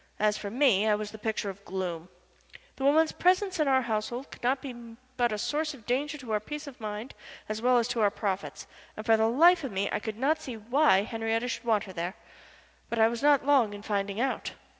As for me, I was the picture of gloom. The woman's presence in our household could not be but a source of danger to our peace of mind as well as to our profits, and for the life of me I could not see why Henriette should want her there. But I was not long in finding out.